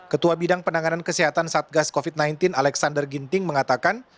ketua bidang penanganan kesehatan satgas covid sembilan belas alexander ginting mengatakan